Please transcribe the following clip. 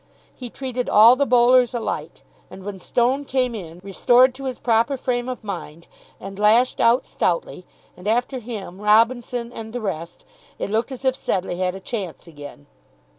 He treated all the bowlers alike. And when Stone came in, restored to his proper frame of mind, and lashed out stoutly, and after him Robinson and the rest, it looked as if Sedleigh had a chance again.